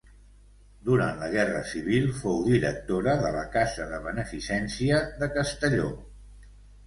Durant la Guerra Civil fou directora de la Casa de Beneficència de Castelló.